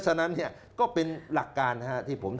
ฉะนั้นเนี่ยก็เป็นหลักการนะครับที่ผมจะ